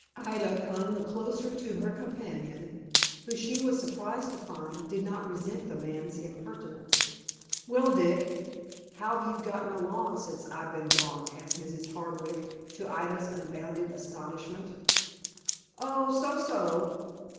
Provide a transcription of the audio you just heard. Ida clung the closer to her companion, who, she was surprised to find, did not resent the man's impertinence. "Well, Dick, how've you got along since I've been gone?" asked Mrs. Hardwick, to Ida's unbounded astonishment. "Oh, so so."